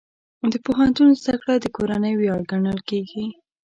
د پوهنتون زده کړه د کورنۍ ویاړ ګڼل کېږي.